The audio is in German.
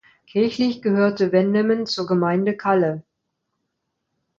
Kirchlich gehörte Wennemen zur Gemeinde Calle.